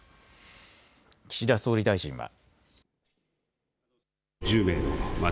岸田総理大臣は。